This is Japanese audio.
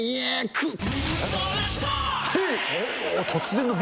突然のＢ